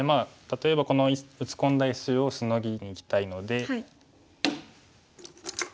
例えばこの打ち込んだ石をシノぎにいきたいので。